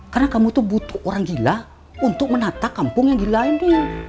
karena kamu itu butuh orang gila untuk menata kampung yang gila ini